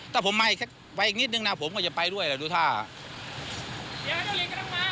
หากผมมาอีกนิดหนึ่งผมก็จะไปด้วยล่ะดูท่าน